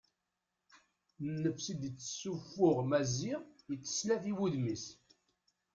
Nnefs i d-yessuffuɣ Maziɣ yetteslaf i wudem-is.